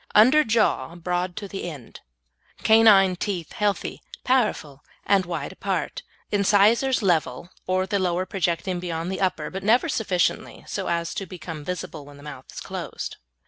Under jaw broad to the end; canine teeth healthy, powerful, and wide apart; incisors level, or the lower projecting beyond the upper, but never sufficiently so as to become visible when the mouth is closed.